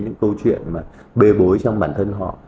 những câu chuyện mà bê bối trong bản thân họ